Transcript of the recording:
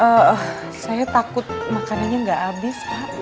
ehh saya takut makanannya gak abis pak